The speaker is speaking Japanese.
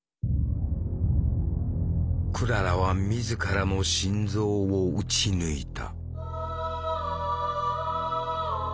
クララは自らの心臓を撃ち抜いた。